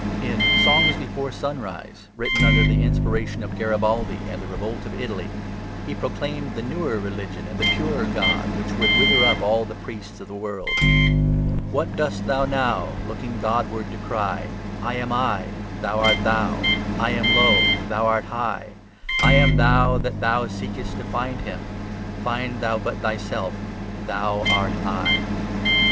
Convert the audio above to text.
In "Songs before Sunrise," written under the inspiration of Garibaldi and the revolt of Italy he proclaimed the newer religion and the purer God which should wither up all the priests of the world: "What doest thou now Looking Godward to cry I am I, thou art thou, I am low, thou art high, I am thou that thou seekest to find him, find thou but thyself, thou art I."